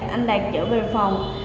anh đạt chở về phòng